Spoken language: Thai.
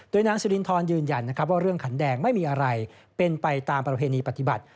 นางสิรินทรยืนยันว่าเรื่องขันแดงไม่มีอะไรเป็นไปตามประเพณีปฏิบัติ